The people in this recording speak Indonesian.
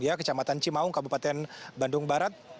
ya kecamatan cimaung kabupaten bandung barat